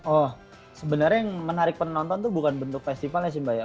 oh sebenarnya yang menarik penonton tuh bukan bentuk festivalnya sih mbak ya